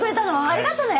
ありがとうね。